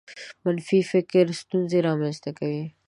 منفي فکر ستونزې رامنځته کوي.